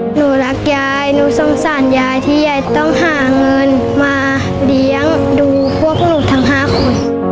หนูรักยายหนูสงสารยายที่ยายต้องหาเงินมาเลี้ยงดูพวกหนูทั้ง๕คน